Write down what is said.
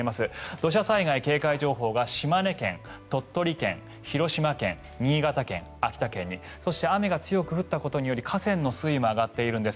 土砂災害警戒情報が島根県、鳥取県、広島県新潟県、秋田県にそして雨が強く降ったことにより河川の水位も上がっているんです。